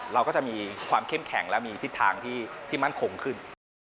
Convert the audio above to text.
เราก็จะมีความเข้มแข็งและมีทิศทางที่มั่นคงขึ้น